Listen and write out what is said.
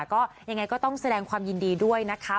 ก็ยังไงก็ต้องแสดงความยินดีด้วยนะคะ